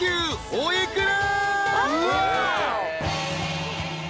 お幾ら？］